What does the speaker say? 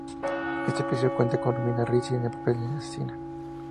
Este episodio cuenta con Romina Ricci, en el papel de asesina.